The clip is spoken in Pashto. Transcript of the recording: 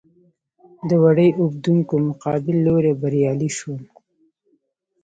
د وړۍ اوبدونکو مقابل لوری بریالي شول.